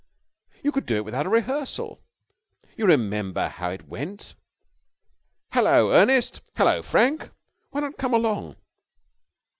You could do it without a rehearsal. You remember how it went ... 'Hullo, Ernest!' 'Hullo, Frank!' Why not come along?"